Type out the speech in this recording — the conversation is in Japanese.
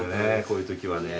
こういうときはね。